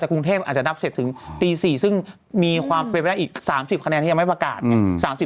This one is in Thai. แต่กรุงเทพอาจจะนับเสร็จถึงตี๔ซึ่งมีความเป็นไปได้อีก๓๐คะแนนที่ยังไม่ประกาศไง